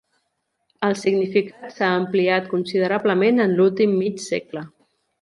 El significat s'ha ampliat considerablement en l'últim mig segle.